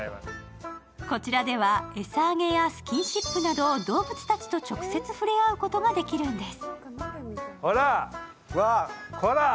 こちらでは、餌上げやスキンシップなど動物たちと直接触れあえることができるんです。